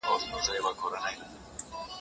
په سړه هوا کې د انرژۍ مصرف زیاتېږي.